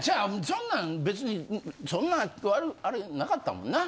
そんなん別にそんな悪あれなかったもんな？